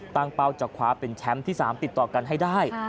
เป้าจะคว้าเป็นแชมป์ที่๓ติดต่อกันให้ได้